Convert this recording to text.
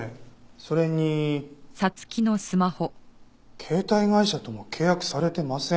それに携帯会社とも契約されてません。